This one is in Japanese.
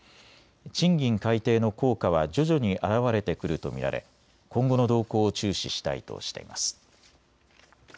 賃金改定の効果は徐々に現れてくると見られ今後の動向を注視したいとしています。